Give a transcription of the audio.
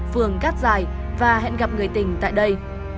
vườn cắt dài và hẹn gặp người tình tại đây